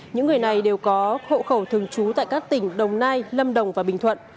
những người này đều có hộ khẩu thường trú tại các tỉnh đồng nai lâm đồng và bình thuận